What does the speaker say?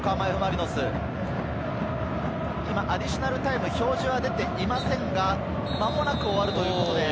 アディショナルタイムの表示は出ていませんが、間もなく終わるということで。